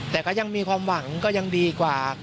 แต่ก็ยังมีความหวังก็ยังดีกว่า